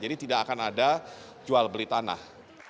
jadi tidak akan ada jual beli tanah